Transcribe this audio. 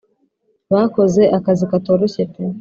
Bakoze akazi katoroshye pe